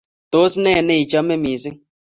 Tos ne neichame missing'?